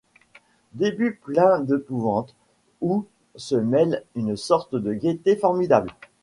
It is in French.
Début plein d’épouvante où se mêle une sorte de gaîté formidable.